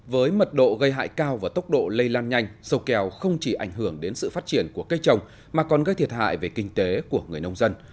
với mật độ gây hại cao và tốc độ lây lan nhanh sâu kèo không chỉ ảnh hưởng đến sự phát triển của cây trồng mà còn gây thiệt hại về kinh tế của người nông dân